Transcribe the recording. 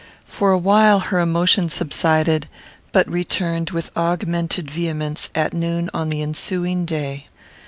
For a while her emotion subsided, but returned with augmented vehemence at noon on the ensuing day.